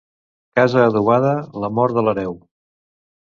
Casa adobada, la mort de l'hereu.